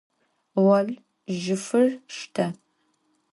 Vol, jıfır şşte!